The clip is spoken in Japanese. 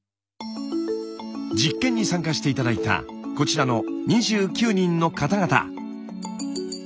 実験に参加して頂いたこちらの２９人の方々。